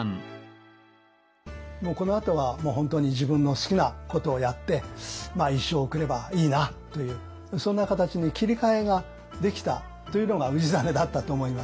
もうこのあとはもう本当に自分の好きなことをやって一生を送ればいいなというそんな形に切り替えができたというのが氏真だったと思います。